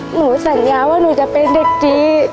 หนูสัญญาว่าหนูจะเป็นเด็กดี